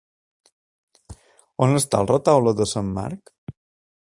On està el Retaule de Sant Marc?